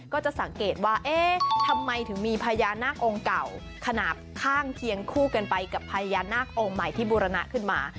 ก็จะสังเกตว่าเอ๊ะทำไมถึงมีพญานาคองค์เก่าขนาดข้างเคียงคู่กันไปกับพญานาคองค์ใหม่ที่บูรณะขึ้นมา